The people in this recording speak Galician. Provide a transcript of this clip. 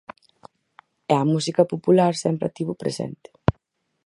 E a música popular sempre a tivo presente.